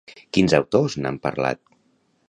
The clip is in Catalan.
Quins autors n'han parlat?